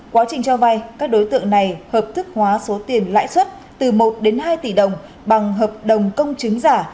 quá trình cho vay các đối tượng này hợp thức hóa số tiền lãi suất từ một đến hai tỷ đồng bằng hợp đồng công chứng giả